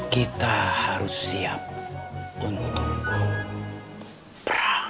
kita harus siap untuk mau perang